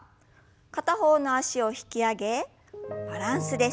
片方の脚を引き上げバランスです。